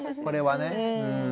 これはね。